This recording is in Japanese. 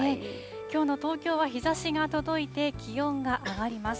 きょうの東京は日ざしが届いて、気温が上がります。